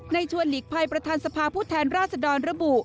ชวนหลีกภัยประธานสภาผู้แทนราชดรระบุ